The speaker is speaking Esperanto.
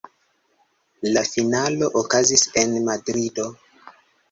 La finalo okazis en Madrido.